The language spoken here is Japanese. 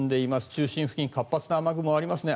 中心付近活発な雨雲がありますね。